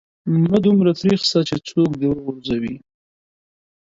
مه دومره تريخ سه چې څوک دي و غورځوي.